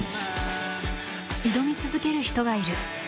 挑み続ける人がいる。